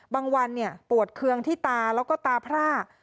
บางวันเนี่ยปวดเคืองที่ตาแล้วก็ตาพร่า